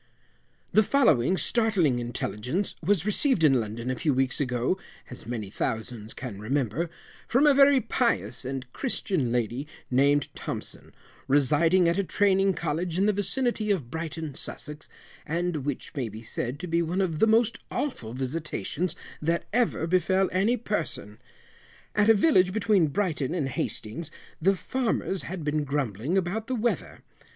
The following startling intelligence was received in London a few weeks ago (as many thousands can remember), from a very pious and Christian lady named Thompson, residing at a Training College in the vicinity of Brighton, Sussex, and which may be said to be one of the most awful visitations that ever befel any person. At a village between Brighton and Hastings, the farmers had been grumbling about the weather.